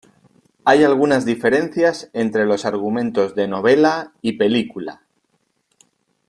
Hay algunas diferencias entre los argumentos de novela y película.